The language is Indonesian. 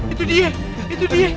itu dia itu dia